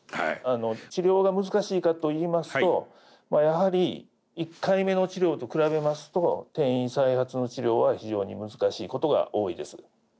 治療が難しいかといいますとやはり１回目の治療と比べますと転移再発の治療は非常に難しいことが多いです。